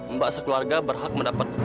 mbak sekeluarga berhak mendapatkan